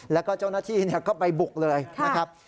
แล้วก็เจ้าหน้าที่ก็ไปบุกเลยนะครับ